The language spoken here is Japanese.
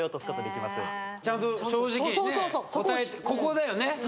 ここだよね